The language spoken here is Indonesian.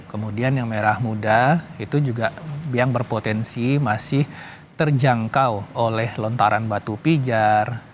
kemudian yang merah muda itu juga yang berpotensi masih terjangkau oleh lontaran batu pijar